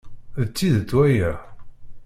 D tidet waya.